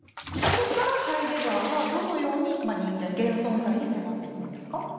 ここからハイデガーはどのようにまあ人間現存在に迫っていくんですか？